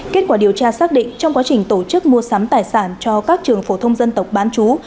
kết quả điều tra xác định trong quá trình tổ chức mua sắm tài sản cho các trường phổ thông dân tộc bán chú